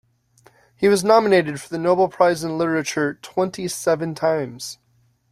He was nominated for the Nobel Prize in Literature twenty-seven times.